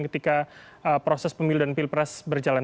ketika proses pemilihan pilpres berjalan